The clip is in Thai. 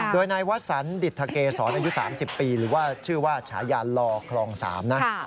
โดยนายวัศนดิทาเกศรอายุ๓๐ปีชื่อว่าชายาลลอคลอง๓นะ